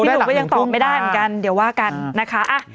หนุ่มก็ยังตอบไม่ได้เหมือนกันเดี๋ยวว่ากันนะคะ